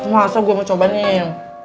masa gue mau coba nih